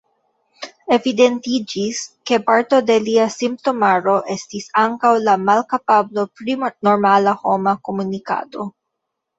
Evidentiĝis, ke parto de lia simptomaro estis ankaŭ la malkapablo pri normala homa komunikado.